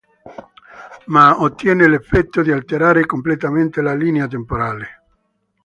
Ma ottiene l'effetto di alterare completamente la linea temporale.